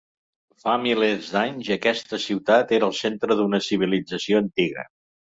Fa milers d'anys, aquesta ciutat era el centre d'una civilització antiga.